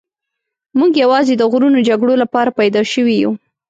موږ یوازې د غرونو جګړو لپاره پیدا شوي یو.